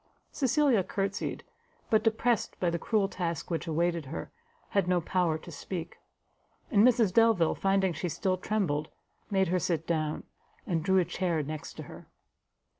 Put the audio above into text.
Cecilia courtsied; but depressed by the cruel task which awaited her, had no power to speak; and Mrs Delvile, finding she still trembled, made her sit down, and drew a chair next to her.